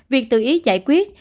việc tự ý giải quyết